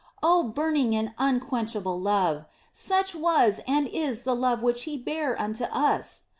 Oh, burning and unquenchable love ! Such was and is the love which He bare unto us